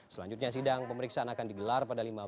selanjutnya sidang pemeriksaan akan digelar pada